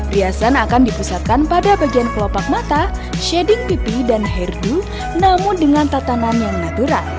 riasan akan dipusatkan pada bagian kelopak mata shading pipi dan hairdo namun dengan tatanan yang natural